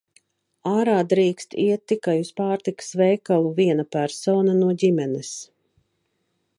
Ārā drīkst iet tikai uz pārtikas veikalu viena persona no ģimenes.